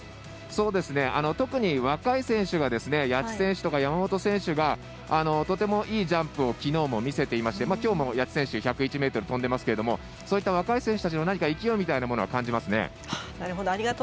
特に若い選手谷地選手とか山本選手がとてもいいジャンプをきのうも見せていてきょうも谷地選手１０１ｍ飛んでますけどそういった若い選手たちの勢いみたいなものも感じますね。